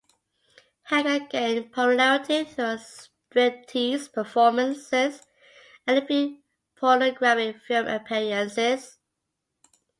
Henger gained popularity through her striptease performances and a few pornographic film appearances.